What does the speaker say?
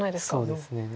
そうですね。